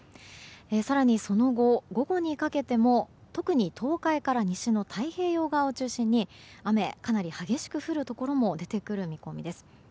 更にその後、午後にかけても特に東海から西の太平洋側を中心に雨、かなり激しく降るところも出てくる見込みです。